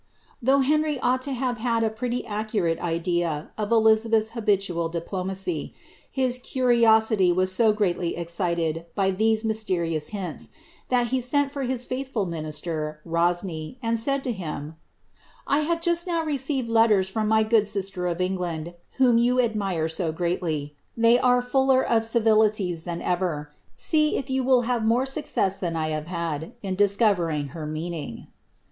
Though Henry ought to have had a pretty accu dea of Elizabeth's habitual diplomacy, his curiosity was so greatly m1 by these mysterious hints, that he sent for his fliithful minister, y,' and said to him, ^ I have just now received letters from my sister of England, whom you admire so greatly. They are fuller rilities than ever. See if you will have more success than I have n discovering her meaning."